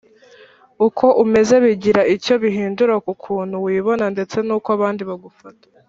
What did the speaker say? uko umeze bigira icyo bihindura ku kuntu wibona ndetse n uko abandi bagufata